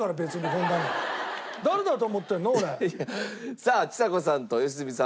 さあちさ子さんと良純さん